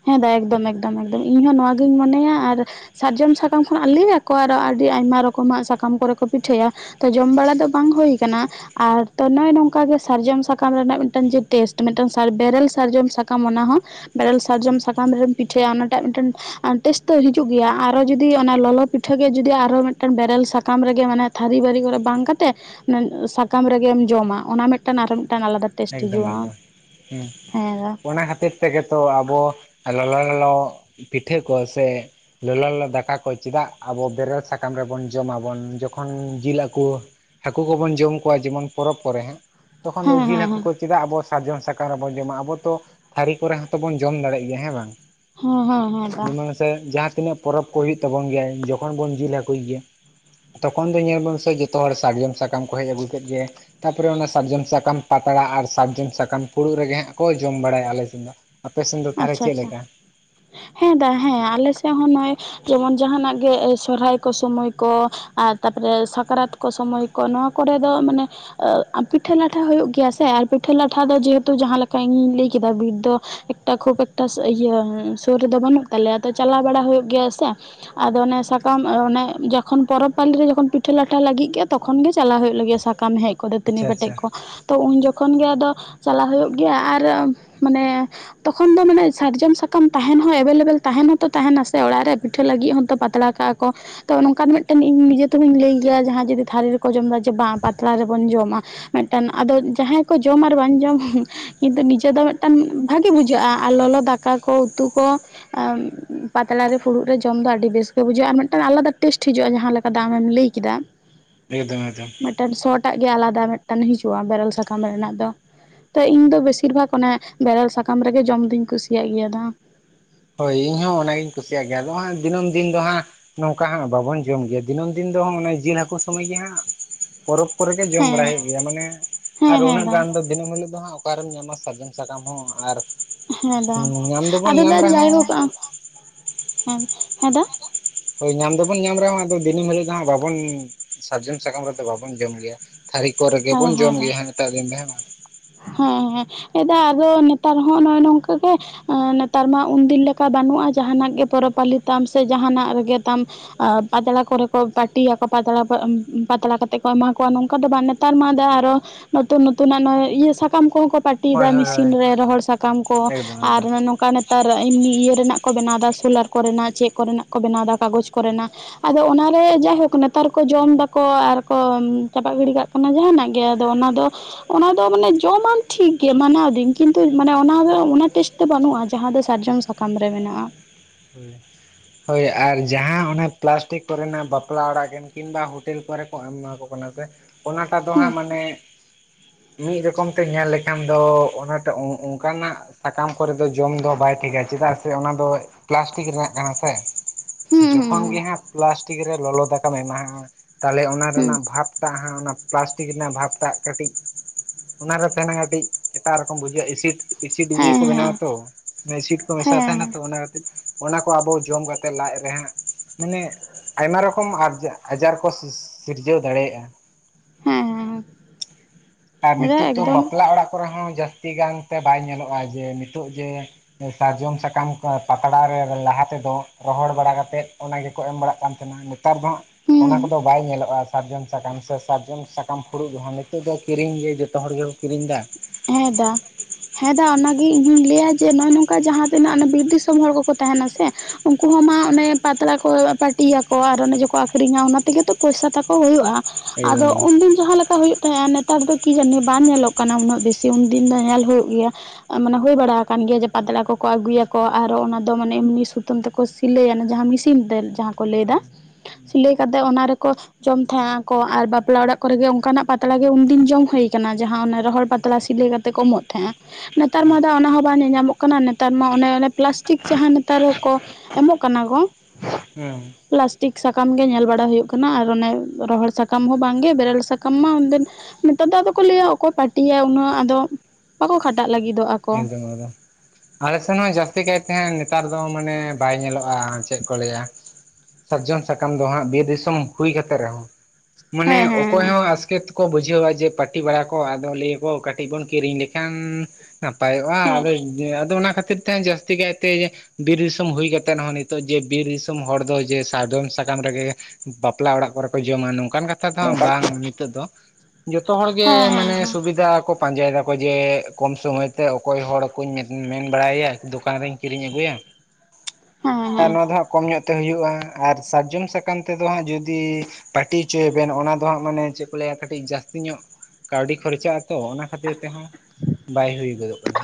ᱦᱮᱸ ᱫᱟ ᱮᱠᱫᱚᱢ ᱮᱠᱫᱚᱢ ᱮᱠᱫᱚᱢ ᱤᱧ ᱦᱚᱸ ᱱᱚᱣᱟᱜᱤᱧ ᱢᱚᱱᱮᱭᱟ ᱟᱨ ᱥᱟᱨᱡᱚᱢ ᱥᱟᱠᱟᱢ ᱠᱷᱚᱱᱟᱜ ᱟᱹ ᱞᱮᱭᱟ ᱠᱚ ᱟᱨᱚ ᱟᱹᱰᱤ ᱟᱭᱢᱟ ᱨᱚᱠᱚᱢᱟᱜ ᱥᱟᱠᱟᱢ ᱠᱚᱨᱮ ᱠᱚ ᱯᱤᱴᱷᱟᱹᱭᱟ ᱛᱚ ᱡᱚᱢ ᱵᱟᱲᱟ ᱫᱚ ᱵᱟᱝ ᱦᱩᱭ ᱠᱟᱱᱟ ᱟᱨ ᱛᱚ ᱱᱚᱜᱼᱚᱭ ᱱᱚᱝᱠᱟᱜ ᱜᱮ ᱥᱟᱨᱡᱚᱢ ᱟᱨ ᱟᱨ ᱛᱚ ᱱᱚ-ᱚᱭ ᱱᱚᱝ ᱠᱟᱜᱮ ᱥᱟᱨᱡᱚᱢ ᱥᱟᱠᱟᱢ ᱨᱮᱱᱟᱜ ᱢᱤᱫᱴᱟᱝ ᱡᱮ ᱴᱮᱥᱴ ᱢᱤᱫᱴᱟᱝ ᱵᱮᱨᱮᱞ ᱥᱟᱨᱡᱚᱢ ᱥᱟᱠᱟᱢ ᱚᱱᱟ ᱦᱚᱸ ᱵᱮᱨᱮᱞ ᱥᱟᱨᱡᱚᱢ ᱥᱟᱠᱟᱢ ᱨᱮᱢ ᱯᱤᱴᱷᱟᱹᱭᱟ ᱚᱱᱟ ᱴᱟᱜ ᱢᱤᱫ ᱴᱮᱱ ᱴᱮᱥᱴ ᱫᱚ ᱦᱤᱡᱩᱜ ᱜᱮᱭᱟ ᱟᱨᱚ ᱡᱩᱫᱤ ᱚᱱᱟ ᱞᱚᱞᱚ ᱯᱤᱴᱷᱟᱹᱜ ᱜᱮ ᱡᱩᱫᱤ ᱟᱨᱦᱚ ᱢᱤᱫ ᱴᱮᱱ ᱵᱮᱨᱮᱞ ᱥᱟᱠᱟᱢ ᱨᱮᱜᱮ ᱢᱟᱱᱮ ᱛᱷᱟᱹᱨᱤ ᱵᱟᱹᱨᱤ ᱠᱚᱨᱮ ᱵᱟᱝ ᱠᱟᱛᱮ ᱥᱟᱠᱟᱢ ᱨᱮᱜᱮᱢ ᱡᱚᱢᱟ ᱚᱱᱟ ᱢᱤᱫ ᱴᱟᱝ ᱟᱨᱦᱚ ᱢᱤᱫ ᱴᱟᱝ ᱟᱞᱟᱫᱟ ᱴᱮᱥᱴ ᱮᱠᱫᱚᱢ ᱦᱤᱡᱩᱜᱼᱟ ᱮᱠᱫᱚᱢ ᱦᱩᱸ ᱦᱮᱸ ᱫᱟ ᱚᱱᱟ ᱠᱷᱟᱹᱛᱤᱨ ᱛᱮᱜᱮ ᱛᱚ ᱟᱵᱚ ᱞᱚᱞᱚ ᱞᱚᱞᱚ ᱯᱤᱴᱷᱟᱹ ᱠᱚ ᱥᱮ ᱞᱚᱞᱚ ᱞᱚᱞᱚ ᱫᱟᱠᱟ ᱠᱚ ᱪᱮᱫᱟᱜ ᱟᱵᱚ ᱵᱮᱨᱮᱞ ᱥᱟᱠᱟᱢ ᱨᱮᱵᱚᱱ ᱡᱚᱢ ᱟᱵᱚᱱ ᱡᱚᱠᱷᱚᱱ ᱡᱤᱞ ᱟᱠᱚ ᱦᱟᱹᱠᱩ ᱠᱚᱵᱚᱱ ᱡᱚᱢ ᱠᱚᱣᱟ ᱡᱮᱢᱚᱱ ᱯᱚᱨᱚᱵᱽ ᱠᱚᱨᱮ ᱦᱮᱸ ᱛᱚᱠᱷᱚᱱ ᱫᱚ ᱦᱮᱸ ᱡᱤᱞ ᱦᱮᱸ ᱦᱟᱹᱠᱩ ᱦᱮᱸ ᱠᱚ ᱪᱮᱫᱟᱜ ᱟᱵᱚ ᱥᱟᱨᱡᱚᱢ ᱥᱟᱠᱟᱢ ᱨᱮᱵᱚᱱ ᱡᱚᱢᱟ ᱟᱵᱚ ᱛᱚ ᱛᱷᱟᱹᱨᱤ ᱠᱚᱨᱮ ᱦᱚᱸᱛᱚ ᱵᱚᱱ ᱡᱚᱢ ᱫᱟᱲᱮᱭᱟᱜ ᱜᱮᱭᱟ ᱦᱮᱸ ᱵᱟᱝ ᱦᱩᱸ ᱦᱮᱸᱦᱮ ᱫᱟ ᱡᱮᱢᱚᱱ ᱥᱮ ᱡᱟᱦᱟᱸ ᱛᱤᱱᱟᱹᱜ ᱯᱚᱨᱚᱵᱽ ᱠᱚ ᱦᱳᱭᱳᱜ ᱛᱟᱵᱚᱱ ᱜᱮᱭᱟ ᱡᱚᱠᱷᱚᱱ ᱵᱚᱱ ᱡᱤᱞ ᱦᱟᱠᱩᱭ ᱜᱤᱭᱟ ᱛᱚᱠᱷᱚᱱ ᱫᱚ ᱧᱮᱞ ᱵᱚᱱ ᱥᱮ ᱡᱚᱛᱚ ᱦᱚᱲ ᱥᱟᱨᱡᱚᱢ ᱥᱟᱠᱟᱢ ᱠᱚ ᱦᱮᱡ ᱟᱹᱜᱩ ᱠᱮᱫ ᱜᱮ ᱛᱟᱯᱚᱨᱮ ᱚᱱᱟ ᱥᱟᱨᱡᱚᱢ ᱥᱟᱠᱟᱢ ᱴᱟᱜ ᱯᱟᱛᱲᱟ ᱟᱨ ᱥᱟᱨᱡᱚᱢ ᱥᱟᱠᱟᱢ ᱯᱷᱩᱲᱩᱜ ᱨᱮᱜᱮ ᱦᱟᱸᱜ ᱠᱚ ᱡᱚᱢ ᱵᱟᱲᱟᱭᱟ ᱟᱞᱮ ᱥᱮᱱ ᱫᱚ ᱟᱯᱮ ᱥᱮᱱ ᱫᱚ ᱛᱟᱦᱚᱞᱮ ᱟᱪᱪᱷᱟ ᱪᱮᱫ ᱟᱪᱪᱷᱟ ᱞᱮᱠᱟ ᱦᱮᱸ ᱫᱟ ᱦᱮᱸ ᱦᱮᱸ ᱟᱞᱮ ᱥᱮᱫ ᱦᱚᱸ ᱱᱚᱜᱼᱚᱭ ᱡᱮᱢᱚᱱ ᱡᱟᱦᱟ ᱱᱟᱜ ᱜᱮ ᱥᱚᱨᱦᱟᱭ ᱠᱚ ᱥᱚᱢᱚᱭ ᱠᱚ ᱟᱨ ᱛᱟᱨᱯᱚᱨᱮ ᱥᱟᱠᱨᱟᱛ ᱠᱚ ᱥᱚᱢᱚᱭ ᱠᱚ ᱱᱚᱣᱟ ᱠᱚᱨᱮ ᱫᱚ ᱢᱟᱱᱮ ᱯᱤᱴᱷᱟᱹ ᱞᱟᱴᱷᱟ ᱦᱩᱭᱩᱜ ᱜᱮᱭᱟ ᱥᱮ ᱟᱨ ᱯᱤᱴᱷᱟᱹ ᱞᱟᱴᱷᱟ ᱫᱚ ᱡᱮᱦᱮᱛᱩ ᱡᱟᱦᱟᱸ ᱞᱮᱠᱟ ᱤᱧᱤᱧ ᱞᱟᱹᱭ ᱠᱮᱫᱟ ᱵᱤᱨ ᱫᱚ ᱠᱷᱩᱵ ᱮᱠᱴᱟ ᱤᱭᱟᱹ ᱥᱩᱨ ᱨᱮᱫᱚ ᱵᱟᱹᱱᱩᱜ ᱛᱟᱞᱮᱭᱟ ᱟᱫᱚ ᱪᱟᱞᱟᱣ ᱵᱟᱲᱟ ᱦᱩᱭᱩᱜ ᱜᱮᱭᱟ ᱥᱮ ᱟᱫᱚ ᱚᱱᱮ ᱥᱟᱠᱟᱢ ᱚᱱᱮ ᱡᱚᱠᱷᱚᱱ ᱯᱚᱨᱚᱵᱽ ᱯᱟᱹᱞᱤ ᱨᱮ ᱡᱚᱠᱷᱚᱱ ᱯᱤᱴᱷᱟᱹ ᱞᱟᱴᱷᱟ ᱞᱟᱹᱜᱤᱫ ᱜᱮ ᱛᱚᱠᱷ ᱠᱷᱚᱱ ᱜᱮ ᱪᱟᱞᱟᱜ ᱦᱩᱭᱩᱜ ᱞᱟᱜᱤᱫ ᱥᱟᱠᱟᱢ ᱦᱮᱡ ᱠᱚ ᱫᱟᱹᱛᱟᱹᱱᱤ ᱟᱪᱪᱷᱟ ᱯᱮᱴᱮᱡ ᱟᱪᱪᱷᱟ ᱠᱚ ᱛᱚ ᱩᱱ ᱡᱚᱠᱷᱚᱱ ᱜᱮ ᱟᱫᱚ ᱪᱟᱞᱟᱜ ᱦᱩᱭᱩᱜ ᱜᱮᱭᱟ ᱟᱨ ᱢᱟᱱᱮ ᱛᱚᱠᱷᱚᱱ ᱫᱚ ᱢᱟᱱᱮ ᱥᱟᱨᱡᱚᱢ ᱥᱟᱠᱟᱢ ᱛᱦᱟᱦᱮᱱ ᱦᱚᱸ ᱮᱵᱮ ᱞᱮᱵᱮᱞ ᱛᱟᱦᱮᱱ ᱦᱚᱸᱛᱚ ᱛᱟᱦᱮᱱᱟ ᱥᱮ ᱚᱲᱟᱜ ᱨᱮ ᱯᱤᱴᱷᱟᱹ ᱞᱟᱹᱜᱤᱫ ᱦᱚᱸᱛᱚ ᱯᱟᱛᱲᱟ ᱠᱟ ᱠᱚ ᱛᱚ ᱱᱚᱝᱠᱟ ᱢᱤᱫ ᱴᱮᱱ ᱤᱧ ᱱᱤᱡᱮ ᱛᱮᱦᱚᱧ ᱞᱟᱹᱭ ᱜᱮᱭᱟ ᱡᱟᱦᱟᱸᱭ ᱡᱩᱫᱤ ᱛᱷᱟᱨᱮ ᱨᱮᱠᱚ ᱡᱚᱢ ᱫᱟ ᱡᱮ ᱵᱟᱝ ᱯᱟᱛᱲᱟ ᱨᱮ ᱵᱚᱱ ᱡᱚᱢᱟ ᱾ ᱢᱤᱫ ᱴᱟᱱ ᱟᱫᱚ ᱡᱟᱦᱟᱸᱭ ᱠᱚ ᱡᱚᱢ ᱟᱨ ᱵᱟᱝ ᱡᱚᱢ ᱠᱤᱱᱛᱩ ᱱᱤᱡᱮ ᱫᱚ ᱢᱤᱫ ᱴᱟᱝ ᱵᱷᱟ ᱜᱤ ᱵᱩᱡᱷᱟᱹᱜᱼᱟ ᱟ-ᱞᱚᱞᱚ ᱫᱟᱠᱟ ᱠᱚ ᱩᱛᱩ ᱠᱚ ᱾ ᱮᱢ ᱯᱟᱛᱲᱟ ᱨᱮ ᱯᱷᱩᱲᱩᱜ ᱨᱮ ᱡᱚᱢ ᱫᱚ ᱟᱹᱰᱤ ᱵᱮᱥ ᱜᱮ ᱵᱩᱡᱷᱟᱹᱜᱼᱟ ᱢᱤᱫ ᱴᱟᱝ ᱟᱞᱟᱫᱟ ᱴᱮᱥᱴ ᱦᱤᱡᱩᱜᱼᱟ ᱡᱟᱦᱟᱸ ᱞᱮᱠ ᱟᱫᱚ ᱟᱢᱮᱢ ᱞᱟᱹᱭ ᱠᱮᱫᱟ ᱾ ᱮᱫᱚᱢ-ᱮᱫᱚᱢ ᱾ ᱢᱤᱫ ᱴᱮᱱ ᱥᱚ ᱴᱟᱜ ᱜᱮ ᱟᱞᱟᱫᱟ ᱢᱤᱫ ᱴᱮᱱ ᱦᱤᱡᱩᱜᱼᱟ ᱵᱮᱨᱮᱞ ᱥᱟᱠᱟᱢ ᱨᱮᱱᱟᱜ ᱫᱚ ᱛᱚ ᱤᱧ ᱫᱚ ᱵᱮᱥᱤᱨ ᱵᱷᱟᱜ ᱚᱱᱮ ᱵᱮᱨᱮᱞ ᱥᱟᱠᱟᱢ ᱨᱮᱜᱮ ᱡᱚᱢ ᱫᱩᱧ ᱠᱩᱥᱤᱭᱟᱜ ᱜᱮᱭᱟ ᱫᱟ ᱦᱳᱭ ᱤᱧ ᱦᱚᱸ ᱚᱱᱟᱜᱤᱧ ᱠᱩᱥᱤᱭᱟᱜ ᱜᱮᱭᱟ ᱟᱫᱚ ᱱᱚᱣᱟ ᱫᱤᱱᱟᱹᱢ ᱫᱤᱱ ᱫᱚ ᱦᱟᱸᱜ ᱱᱚᱝᱠᱟ ᱦᱟᱸᱜ ᱵᱟᱵᱚᱱ ᱡᱚᱢ ᱜᱮᱭᱟ ᱫᱤᱱᱟᱹᱢ ᱫᱤᱱ ᱫᱚ ᱦᱚᱸ ᱚᱱᱮ ᱡᱤᱞ ᱦᱟᱹᱠᱩ ᱥᱚᱢᱚᱭ ᱜᱮ ᱦᱟᱸᱜ ᱯᱚᱨᱚᱵᱽ ᱠᱚᱨᱮ ᱜᱮ ᱡᱚᱢ ᱦᱮᱸ ᱵᱟᱲᱟᱭ ᱦᱩᱭᱩᱜ ᱟ ᱢᱟᱱᱮ ᱟᱨ ᱦᱮᱸ ᱦᱮᱸ ᱩᱱᱟᱹᱜ ᱫᱟ ᱜᱟᱱ ᱫᱚ ᱫᱤᱱᱟᱹᱢ ᱦᱤᱞᱳᱜ ᱫᱚ ᱦᱟᱸᱜ ᱚᱠᱟ ᱨᱮᱢ ᱧᱟᱢᱟ ᱥᱟᱨᱡᱚᱢ ᱥᱟᱠᱟᱢ ᱦᱚᱸ ᱟᱨ ᱦᱮᱸ ᱫᱟ ᱧᱟᱢ ᱫᱚᱵᱚᱱ ᱟᱫᱚ ᱫᱟ ᱧᱟᱢ ᱡᱟᱭ ᱨᱮᱦᱚᱸ ᱦᱳᱠ ᱦᱮᱸ ᱦᱮᱸ ᱫᱟ ᱦᱳᱭ ᱧᱟᱢ ᱫᱚᱵᱚᱱ ᱧᱟᱢ ᱨᱮ ᱦᱚᱸ ᱟᱫᱚ ᱫᱤᱱᱟᱹᱢ ᱦᱤᱞᱳᱜ ᱫᱚ ᱦᱟᱸᱜ ᱵᱟᱵᱚᱱ ᱥᱟᱨᱡᱚᱢ ᱥᱟᱠᱟᱢ ᱨᱮᱫᱚ ᱵᱟᱵᱚᱱ ᱡᱚᱢ ᱜᱮᱭᱟ ᱛᱷᱟᱹᱨᱤ ᱠᱚᱨᱮ ᱜᱮ ᱦᱮᱸ ᱵᱚᱱ ᱡᱚᱢ ᱦᱮᱸ ᱫᱟ ᱜᱮᱭᱟ ᱦᱟ ᱱᱮᱛᱟ ᱫᱤᱱ ᱫᱚ ᱦᱟᱸ ᱦᱮᱸ ᱦᱮᱸ ᱟᱫᱚ ᱟᱵᱚ ᱱᱮᱛᱟᱨ ᱦᱚᱸ ᱱᱚᱜᱼᱚᱭ ᱱᱚᱝᱠᱟ ᱜᱮ ᱮ ᱱᱮᱛᱟᱨ ᱢᱟ ᱩᱱᱫᱤᱱ ᱞᱮᱠᱟ ᱵᱟᱹᱱᱩᱜᱼᱟ, ᱡᱟᱸᱦᱟ ᱱᱟᱜ ᱜᱮ ᱯᱚᱨᱚᱵᱽ ᱯᱟᱹᱞᱤ ᱛᱟᱢ, ᱥᱮ ᱡᱟᱸᱦᱟ ᱱᱟᱜ ᱨᱮ ᱜᱮ ᱛᱟᱢ ᱾ ᱟᱨ ᱯᱟᱛᱲᱟ ᱠᱚᱨᱮ ᱠᱚ ᱯᱟᱹᱴᱤᱭᱟ ᱠᱚ ᱯᱟᱛᱲᱟ ᱠᱚ ᱮᱢ ᱯᱟᱛᱲᱟ ᱠᱟᱛᱮᱜ ᱠᱚ ᱮᱢᱟ ᱠᱚᱣᱟ ᱱᱚᱝᱠᱟ ᱫᱚ ᱵᱟᱝ ᱮᱛᱟᱨ ᱢᱟ ᱫᱟ ᱟᱨᱚ ᱱᱚᱛᱩᱱ ᱱᱩᱛᱩᱱᱟᱜ ᱱᱚ-ᱤᱭᱟᱹ ᱥᱟᱠᱟᱢ ᱠᱚ ᱦᱚᱸ ᱠᱚ ᱦᱳᱭ ᱯᱟᱴᱤᱭᱮᱫᱟ ᱦᱳᱭ ᱢᱮᱥᱤᱱ ᱨᱮ ᱨᱚᱦᱚᱲ ᱥᱟᱠᱟᱢ ᱠᱚ ᱦᱳᱭ ᱮᱠᱫᱚᱢ ᱟᱨ ᱮᱠᱫᱚᱢ ᱱᱚ-ᱱᱚᱝᱠᱟ ᱱᱮ ᱛᱟᱨ ᱮᱢᱱᱤ ᱤᱭᱟᱹ ᱨᱮᱱᱟᱜ ᱠᱚ ᱵᱮᱱᱟᱣ ᱮᱫᱟ ᱥᱳᱞᱟᱨ ᱠᱚᱨᱮ ᱱᱟᱜ ᱪᱮᱫ ᱠᱚᱨᱮ ᱱᱟᱜ ᱠᱚ ᱵᱮᱱᱟᱣ ᱮᱫᱟ ᱠᱟᱜᱚᱡᱽ ᱠᱚᱨᱮ ᱱᱟᱜ ᱾ ᱟᱫᱚ ᱚᱱᱟ ᱨᱮ ᱡᱟᱭᱦᱳᱠ ᱱᱮᱛᱟᱨ ᱠᱚ ᱡᱚᱢ ᱫᱟᱠᱚ ᱟᱨ ᱠᱚ ᱪᱟᱯᱟᱜ ᱜᱤᱲᱤ ᱠᱟᱜ ᱱᱟᱣᱟ ᱱᱟᱜ ᱜᱮ ᱟᱫᱚ ᱚᱱᱟ ᱫᱚ ᱚᱱᱟ ᱫᱚ ᱢᱟᱱᱮ ᱡᱚᱢᱟᱢ ᱴᱷᱤᱠ ᱜᱮ ᱢᱟᱱᱟᱣ ᱤᱫᱤᱧ ᱠᱤᱱᱛᱩ ᱢᱟᱱᱮ ᱚᱱᱟ ᱫᱚ ᱚᱱᱟ ᱴᱮᱥᱴ ᱫᱚ ᱵᱟᱹᱱᱩᱜᱼᱟ ᱡᱟᱦᱟᱸ ᱫᱚ ᱥᱟᱨᱡᱚᱢ ᱥᱟᱠᱟᱢ ᱨᱮ ᱢᱮᱱᱟᱜᱼᱟ ᱾ ᱦᱩᱸ ᱾ ᱦᱳᱭ ᱟᱨ ᱡᱟᱦᱟᱸ ᱚᱱᱟ ᱯᱞᱟᱥᱴᱤᱠ ᱠᱚᱨᱮᱱᱟᱜ ᱵᱟᱯᱞᱟ ᱚᱲᱟᱜ ᱠᱤᱱ ᱠᱤᱱᱵᱟ ᱦᱳᱴᱮᱞ ᱠᱚᱨᱮ ᱠᱚ ᱮᱢᱟ ᱠᱚ ᱠᱟᱱᱟ ᱥᱮ ᱚᱱᱟᱴᱟ ᱫᱚ ᱦᱩᱸ ᱦᱟᱸᱜ ᱢᱟᱱᱮ ᱢᱤᱜ ᱨᱚᱠᱚᱢ ᱛᱮ ᱧᱮᱞ ᱞᱮᱠᱷᱟᱱ ᱫᱚ ᱚᱱᱟᱴᱟᱜ ᱚᱱ-ᱚᱱᱠᱟᱱᱟᱜ ᱥᱟᱠᱟᱢ ᱠᱚᱨᱮ ᱫᱚ ᱡᱚᱢ ᱫᱚ ᱵᱟᱭ ᱴᱷᱤᱠᱟ ᱪᱮᱫᱟᱜ ᱥᱮ ᱚᱱᱟ ᱫᱚ ᱯᱞᱟᱥᱴᱤᱠ ᱨᱮᱱᱟᱜ ᱠᱟᱱᱟ ᱥᱮ ᱦᱩᱸ ᱦᱩᱸ ᱡᱚᱠᱷᱚᱱ ᱦᱩᱸ ᱜᱮ ᱦᱟᱸᱜ ᱯᱞᱟᱥᱴᱤᱠ ᱨᱮ ᱞᱚᱞᱚ ᱫᱟᱠᱟᱢ ᱮᱢᱟᱦᱟᱜᱼᱟ ᱛᱟᱦᱚᱞᱮ ᱚᱱᱟ ᱦᱩᱸ ᱨᱮᱱᱟᱜ ᱵᱷᱟᱵᱽ ᱴᱟᱜ ᱦᱟᱸᱜ ᱚᱱᱟ ᱯᱞᱟᱥᱴᱤᱠ ᱨᱮᱱᱟᱜ ᱵᱷᱟᱵᱽ ᱴᱟᱜ ᱠᱟᱹᱴᱤᱡ ᱚᱱᱟᱨᱮ ᱯᱮᱸᱱ ᱠᱟᱹᱴᱤᱡ ᱮᱴᱟᱜ ᱨᱚᱠᱚᱢ ᱵᱩᱡᱷᱟᱹᱜ ᱤᱥᱥᱤᱴ ᱮᱥᱤᱴ ᱫᱤᱭᱮ ᱠᱚ ᱦᱮᱸ ᱵᱮᱱᱟᱣᱟ ᱦᱮᱸ ᱛᱚ ᱚᱱᱮ ᱤᱥᱤᱴ ᱠᱚ ᱢᱮᱥᱟ ᱦᱮᱸ ᱛᱟᱦᱮᱱᱟ ᱛᱚ ᱚᱱᱮ ᱚᱱᱟ ᱠᱚ ᱟᱵᱚ ᱡᱚᱢ ᱠᱟᱛᱮᱫ ᱞᱟᱡ ᱨᱮ ᱦᱟᱸᱜ ᱢᱟᱱᱮ ᱟᱭᱢᱟ ᱨᱚᱠᱚᱢ ᱟᱡᱽ-ᱟᱡᱟᱨ ᱠᱚ ᱥᱤ-ᱥᱤᱨᱡᱟᱹᱣ ᱫᱟᱲᱮᱭᱟᱼᱟ ᱾ ᱦᱩᱸᱻ ᱾ ᱟᱨ ᱱᱤᱛᱚᱜ ᱛᱚ ᱵᱟᱯᱞᱟ ᱚᱲᱟᱜ ᱠᱚᱨᱮ ᱦᱚᱸ ᱡᱟᱹᱥᱛᱤ ᱜᱟᱱᱛᱮ ᱵᱟᱭ ᱧᱮᱞᱚᱜᱼᱟ ᱡᱮ ᱱᱤᱛᱚᱜ ᱡᱮ ᱥᱟᱨᱡᱚᱢ ᱥᱟᱠᱟᱢ ᱠᱚ ᱯᱟᱛᱲᱟ ᱨᱮ ᱞᱟᱦᱟ ᱛᱮᱫᱚ ᱨᱚᱦᱚᱲ ᱵᱟᱲᱟ ᱠᱟᱛᱮᱜ ᱚᱱᱟ ᱜᱮᱠᱚ ᱮᱢ ᱵᱟᱲᱟᱜ ᱠᱟᱱ ᱛᱟᱦᱮᱱᱟ ᱾ ᱱᱮᱛᱟᱨ ᱫᱚ ᱦᱚᱜ ᱚᱱᱟ ᱦᱩᱸ ᱠᱚᱫᱚ ᱵᱟᱭ ᱧᱮᱞᱚᱜᱼᱟ, ᱥᱟᱨᱡᱚᱢ ᱥᱟᱠᱟᱢ ᱥᱮ ᱥᱟᱨᱡᱚᱢ ᱥᱟᱠᱟᱢ ᱯᱷᱩᱲᱩᱜ ᱨᱮᱦᱚᱸ ᱱᱤᱛᱚᱜ ᱫᱚ ᱠᱤᱨᱤᱧ ᱜᱮ ᱡᱚᱛᱚ ᱦᱚᱲ ᱜᱮᱠᱚ ᱠᱤᱨᱤᱧ ᱫᱟ ᱾ ᱦᱮᱸ ᱫᱟ ᱾ ᱦᱮᱸ ᱫᱟ ᱚᱱᱟ ᱜᱤ ᱤᱧᱦᱩᱧ ᱞᱟᱹᱭᱟ ᱡᱮ ᱱᱚᱜᱼᱚᱭ ᱱᱚᱝᱠᱟ ᱡᱟᱦᱟᱸ ᱛᱤᱱᱟᱹᱜ ᱚᱱᱟ ᱵᱤᱨ ᱫᱤᱥᱚᱢ ᱦᱚᱲ ᱠᱚᱠᱚ ᱛᱟᱦᱮᱱᱟ ᱥᱮ ᱩᱱᱠᱩ ᱦᱚᱸ ᱢᱟ ᱚᱱᱮ ᱯᱟᱛᱲᱟ ᱠᱚ ᱯᱟᱟᱹᱴᱤᱭ ᱟᱠᱚ ᱟᱨ ᱚᱱᱮ ᱡᱮᱠᱚ ᱟᱠᱷᱨᱤᱧᱟ ᱚᱱᱟ ᱛᱮᱜ ᱛᱚ ᱯᱚᱭᱥᱟ ᱛᱟᱠᱚ ᱦᱩᱭᱩᱜᱼᱟ ᱾ ᱮᱠᱫᱚᱢ ᱟᱫᱚ ᱩᱱᱫᱤᱱ ᱡᱟᱦᱟᱸᱞᱮᱠᱟ ᱦᱩᱭᱩᱜ ᱛᱟᱦᱮᱸᱼᱟ ᱱᱮᱛᱟᱨ ᱫᱚ ᱠᱤ ᱡᱟᱹᱱᱤ ᱵᱟᱝ ᱧᱮᱞᱚᱜ ᱠᱟᱱᱟ ᱩᱱᱟᱹᱜ ᱵᱮᱥ ᱪᱮ ᱩᱱᱫᱤᱱ ᱫᱚ ᱧᱮᱞ ᱦᱩᱭᱩᱜ ᱜᱮᱭᱟ ᱾ ᱟ-ᱢᱟᱱᱮ ᱦᱩᱭ ᱵᱟᱲᱟ ᱟᱠᱟᱱ ᱜᱮᱭᱟ ᱡᱮ ᱯᱟᱛᱲᱟ ᱠᱚᱠᱚ ᱟᱹᱜᱩᱭᱟ ᱠᱚ ᱟᱨᱚ ᱚᱱᱟ ᱫᱚ ᱢᱟᱱᱮ ᱮᱢᱱᱤ ᱥᱩᱛᱟᱹᱢ ᱛᱮ ᱠᱚ ᱥᱤᱞᱟᱹᱭᱟ ᱡᱟᱦᱟᱸ ᱢᱤᱥᱤᱱ ᱛᱮ ᱡᱟᱦᱟᱸ ᱠᱚ ᱞᱟᱹᱭ ᱫᱟ ᱥᱤᱞᱟᱹᱭ ᱠᱟᱛᱮ ᱚᱱᱟ ᱨᱮᱠᱚ ᱡᱚᱢ ᱛᱟᱦᱮᱸ ᱟᱠᱚ ᱟᱨ ᱵᱟᱯᱞᱟ ᱚᱲᱟᱜ ᱠᱚᱨᱮ ᱜᱮ ᱚᱱᱠᱟᱱᱟᱜ ᱯᱟᱛᱲᱟ ᱜᱮ ᱩᱱᱫᱤᱱ ᱡᱚᱢ ᱦᱩᱭ ᱠᱟᱱᱟ ᱡᱟᱦᱟᱸ ᱨᱚᱦᱚᱲ ᱯᱟ ᱛᱚᱨᱟ ᱥᱤᱞᱟᱹᱭ ᱠᱟᱛᱮᱜ ᱠᱚ ᱮᱢᱚᱜ ᱛᱟᱦᱮᱸᱜᱼᱟ ᱾ ᱱᱮᱛᱟᱨ ᱢᱟ ᱫᱟ ᱚᱱᱟ ᱦᱚ ᱵᱟᱝ ᱧᱮ-ᱧᱟᱢᱚᱜ ᱠᱟᱱᱟ ᱱᱮᱛᱟᱨ ᱢᱟ ᱚᱱᱮ ᱚᱱᱟ ᱯᱞᱟᱥᱴᱤᱠ ᱡᱟᱦᱟᱸ ᱱᱮᱛᱟᱨ ᱠᱚ ᱮᱢᱚᱜ ᱠᱟᱱᱟ ᱠᱚ ᱾ ᱦᱩᱸ ᱯᱞᱟᱥᱴᱤᱠ ᱥᱟᱠᱟᱢ ᱜᱮ ᱧᱮᱞ ᱵᱟᱲᱟ ᱦᱩᱭᱩᱜ ᱠᱟᱱᱟ ᱟᱨ ᱚᱱᱮ ᱨᱚᱦᱚᱲ ᱥᱟᱠᱟᱢ ᱦᱚᱸ ᱵᱟᱝᱜᱮ ᱵᱮᱨᱮᱞ ᱥᱟᱠᱟᱢ ᱢᱟ ᱩᱱᱫᱚ ᱱᱮᱛᱟᱨ ᱫᱚ ᱟᱫᱚ ᱠᱚ ᱞᱟᱹᱭᱟ ᱚᱠᱚᱭ ᱯᱟᱹᱴᱤᱭᱟ ᱩᱱᱟᱹᱜ ᱟᱫᱚ ᱵᱟᱠᱚ ᱠᱷᱟᱴᱟᱜ ᱞᱟᱹᱜᱤᱫᱚᱜᱼᱟ ᱠᱚ ᱮᱠᱫᱚᱢ ᱮᱠᱫᱚᱢ ᱟᱞᱮ ᱥᱮᱱ ᱦᱚᱸ ᱡᱟᱹᱥᱛᱤ ᱠᱟᱭ ᱛᱟᱦᱮᱸᱱ ᱱᱮᱛᱟᱨ ᱫᱚ ᱢᱟᱱᱮ ᱵᱟᱭ ᱧᱮᱞᱚᱜᱼᱟ ᱪᱮᱫ ᱠᱚ ᱞᱟᱹᱭᱟ ᱥᱟᱨᱡᱚᱢ ᱥᱟᱠᱟᱢ ᱫᱚ ᱦᱟᱸᱜ ᱵᱤᱨ ᱫᱤᱥᱚᱢ ᱦᱩᱭ ᱠᱟᱛᱮ ᱨᱮᱦᱚᱸ ᱢᱟᱱᱮ ᱦᱮᱸ ᱚᱠᱚᱭ ᱦᱮᱸ ᱦᱚᱸ ᱟᱥᱠᱮᱛ ᱠᱚ ᱵᱩᱡᱷᱟᱹᱣᱼᱟ ᱡᱮ ᱯᱟᱹᱴᱤ ᱵᱟᱲᱟ ᱠᱚ ᱟᱫᱚ ᱞᱟᱹᱭᱟ ᱠᱚ ᱠᱟᱹᱴᱤᱡ ᱵᱚᱱ ᱠᱤᱨᱤᱧ ᱞᱮᱠᱷᱟᱱ ᱯᱟᱭᱚᱜᱼᱟ ᱦᱮᱸ ᱟᱫᱚ ᱟᱫᱚ ᱚᱱᱟ ᱠᱷᱟᱹᱛᱤᱨ ᱛᱮ ᱡᱟᱹᱥᱛᱤ ᱠᱟᱭᱛᱮ ᱵᱤᱨ ᱫᱤᱥᱚᱢ ᱦᱩᱭ ᱠᱟᱛᱮᱱ ᱦᱚᱸ ᱱᱤᱛᱚᱜ ᱡᱮ ᱵᱤᱨ ᱫᱤᱥᱚᱢ ᱦᱚᱲ ᱫᱚ ᱡᱮ ᱥᱟᱨᱡᱚᱢ ᱥᱟᱠᱟᱢ ᱨᱮᱜᱮ ᱵᱟᱯᱞᱟ ᱚᱲᱟᱜ ᱠᱚᱨᱮ ᱠᱚ ᱡᱚᱢᱟ ᱱᱚᱝᱠᱟᱱ ᱠᱟᱛ ᱠᱟᱛᱷᱟ ᱫᱚ ᱵᱟᱝ ᱱᱤᱛᱚᱜ ᱫᱚ ᱡᱚᱛᱚ ᱦᱚᱲ ᱜᱮ ᱦᱮᱸ ᱦᱮᱸ ᱢᱟᱱᱮ ᱦᱮᱸ ᱥᱩᱵᱤᱫᱷᱟ ᱠᱚ ᱯᱟᱸᱡᱟᱭ ᱫᱟᱠᱚ ᱡᱮ ᱠᱚᱢ ᱥᱚᱢᱚᱭ ᱚᱠᱚᱭ ᱦᱚᱲ ᱠᱚᱧ ᱢᱮᱱ ᱵᱟᱲᱟᱭᱮᱭᱟ ᱫᱚᱠᱟᱱ ᱨᱤᱧ ᱠᱤᱨᱤᱧ ᱟᱹᱜᱩᱭᱟ ᱦᱮᱸ ᱟᱨ ᱦᱮᱸ ᱱᱚᱣᱟ ᱫᱚ ᱦᱟᱸᱜ ᱠᱚᱢ ᱧᱚᱜ ᱛᱮ ᱦᱩᱭᱩᱜᱼᱟ ᱟᱨ ᱥᱟᱨᱡᱚᱢ ᱥᱟᱠᱟᱢ ᱛᱮᱫᱚ ᱦᱟᱸᱜ ᱡᱩᱫᱤ᱾ ᱯᱟᱹᱴᱤ ᱦᱚᱪᱚᱭᱮ ᱵᱮᱱ ᱚᱱᱟ ᱫᱚ ᱦᱟᱸᱜ ᱢᱟᱱᱮ ᱪᱮᱫ ᱠᱚ ᱞᱟᱹᱭᱟ ᱠᱟᱹᱴᱤᱡ ᱡᱟᱹᱥᱛᱤ ᱧᱚᱜ ᱠᱟᱹᱣᱰᱤ ᱠᱷᱚᱨᱪᱟᱜᱼᱟ ᱛᱚ ᱚᱱᱟ ᱠᱷᱟᱹᱛᱤᱨ ᱛᱮᱦᱚᱸ ᱵᱟᱭ ᱦᱩᱭ ᱜᱚᱫᱚᱜ ᱠᱟᱱᱟ